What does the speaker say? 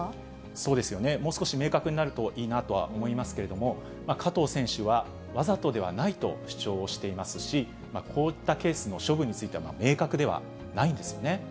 そうですよね、もう少し明確になるといいなとは思いますけれども、加藤選手は、わざとではないと主張をしていますし、こういったケースの処分については、明確ではないんですよね。